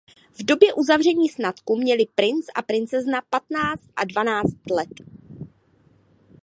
V době uzavření sňatku měli princ a princezna patnáct a dvanáct let.